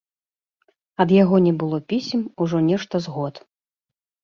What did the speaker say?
Ад яго не было пісем ужо нешта з год.